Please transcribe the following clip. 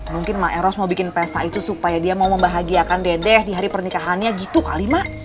mungkin mbak eros mau bikin pesta itu supaya dia mau membahagiakan dedeh di hari pernikahannya gitu kali mak